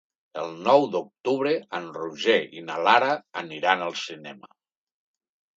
El nou d'octubre en Roger i na Lara aniran al cinema.